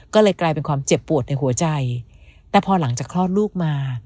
ก็เลยกลายเป็นความเจ็บปวดในหัวใจแต่พอหลังจากคลอดลูกมา